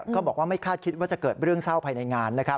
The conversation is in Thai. ก็บอกว่าไม่คาดคิดว่าจะเกิดเรื่องเศร้าภายในงานนะครับ